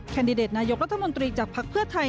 แดดิเดตนายกรัฐมนตรีจากภักดิ์เพื่อไทย